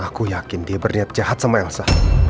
aku yakin dia berniat jahat sama elsa